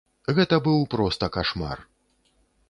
Гэта быў проста кашмар.